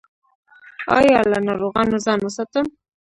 ایا له ناروغانو ځان وساتم؟